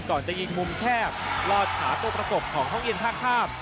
ก่อนจะยิงมุมแคบรอดขาตัวประกบของห้องเย็นท่าข้าม